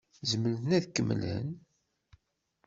Zemren ad kemmlen?